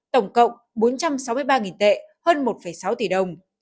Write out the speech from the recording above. tổng cộng bốn trăm sáu mươi ba tệ hơn một sáu tỷ đồng